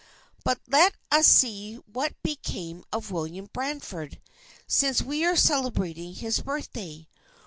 But let us see what became of William Bradford, since we are celebrating his birthday.